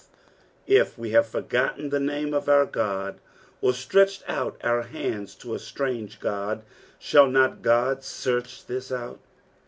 20 If we have forgotten the name of our God, or stretched out our hands to a strange god ; 21 Shall not God search this out?